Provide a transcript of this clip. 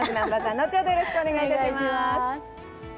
後ほどよろしくお願いいたします。